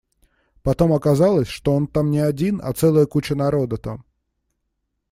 Потом оказалось, что он там не один, а целая куча народа там.